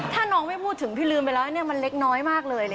ถ้าน้องไม่พูดถึงพี่ลืมไปแล้วมันเล็กน้อยมากเลย